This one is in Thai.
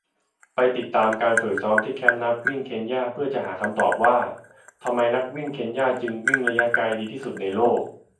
ไปติดตามการฝึกซ้อมที่แคมป์นักวิ่งเคนยาเพื่อจะหาคำตอบว่า ทำไมนักวิ่งเคนยาจึงวิ่งระยะไกลดีที่สุดในโลก